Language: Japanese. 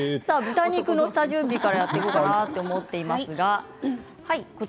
豚肉の下準備からやっていただこうかと思います。